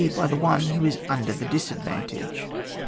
By the one who is under the dis advantage.